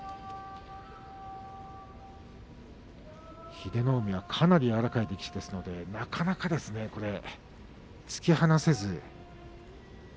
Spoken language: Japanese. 英乃海はかなりやわらかい力士ですのでなかなか突き放せず。